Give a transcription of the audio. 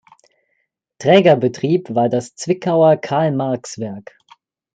Trägerbetrieb war das Zwickauer Karl-Marx-Werk.